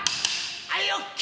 はいＯＫ！